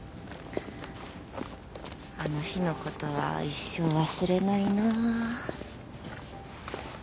あの日の事は一生忘れないな。